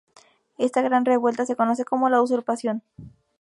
Esta gran revuelta se conoce como la Usurpación.